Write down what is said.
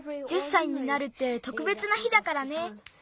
１０歳になるって特別な日だからね。